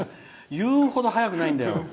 言うほど速くないんだよ。